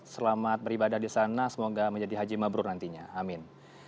selamat beribadah di sana semoga menjadi haji mabrur nantinya amin